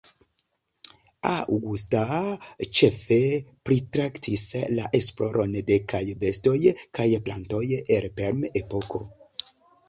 Augusta ĉefe pritraktis la esploron de kaj bestoj kaj plantoj el perm-epoko.